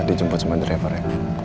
dijemput sama driver ya